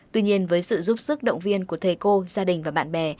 tuy nhiên với sự giúp sức động viên của thầy cô gia đình và bạn bè